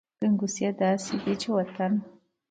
ګنګوسې داسې دي چې وطن …